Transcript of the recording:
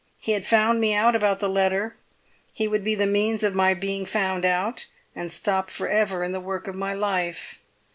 He had found me out about the letter; he would be the means of my being found out and stopped for ever in the work of my life.